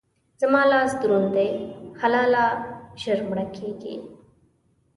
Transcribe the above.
زما لاس دروند دی؛ حلاله ژر مړه کېږي.